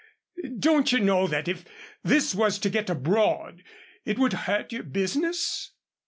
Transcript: Don't you know that if this was to get abroad, it would hurt your business?"